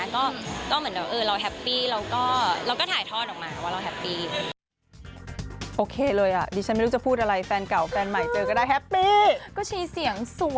ก็เหมือนเราแฮปปี้แล้วก็ถ่ายทอดออกมาว่าเราแฮปปี้